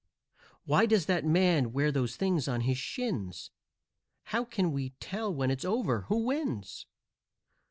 "Why does that man wear those things on his shins?" "How can we tell, when it's over, who wins?"